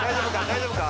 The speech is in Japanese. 大丈夫か？